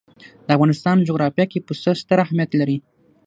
د افغانستان جغرافیه کې پسه ستر اهمیت لري.